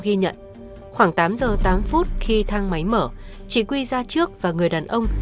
người nhà và bạn bè thân thiết của chị quy đều không nhận ra người đàn ông